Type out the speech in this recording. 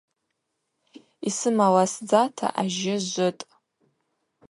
Йсымаласдзата ажьы жвытӏ.